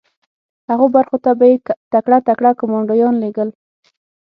هغو برخو ته به یې تکړه تکړه کمانډویان لېږل